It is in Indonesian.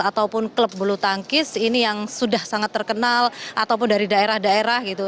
ataupun klub bulu tangkis ini yang sudah sangat terkenal ataupun dari daerah daerah gitu